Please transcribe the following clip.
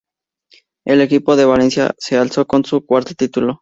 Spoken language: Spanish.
El equipo de Valencia se alzó con su cuarto título.